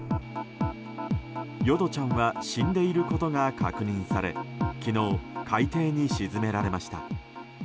淀ちゃんは死んでいることが確認され昨日、海底に沈められました。